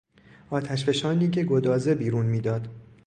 آتشفشانی که گدازه بیرون میداد